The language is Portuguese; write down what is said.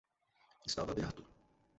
Estava aberto